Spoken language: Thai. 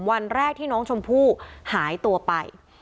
วันแรกที่น้องชมพู่หายตัวไป